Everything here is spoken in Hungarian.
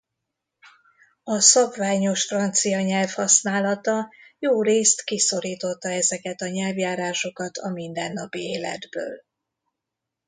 A szabványos francia nyelv használata jórészt kiszorította ezeket a nyelvjárásokat a mindennapi életből.